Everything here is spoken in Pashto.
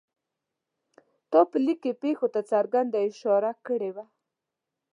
تا په لیک کې پېښو ته څرګنده اشاره کړې وه.